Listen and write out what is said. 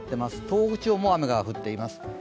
東北地方も雨が降っています。